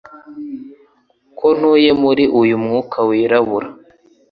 ko ntuye muri uyu mwuka wirabura